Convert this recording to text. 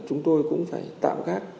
chúng tôi cũng phải tạm gác